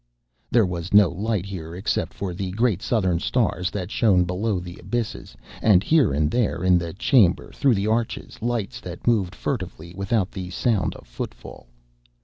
There was no light here except for the great Southern stars that shone below the abysses, and here and there in the chamber through the arches lights that moved furtively without the sound of footfall.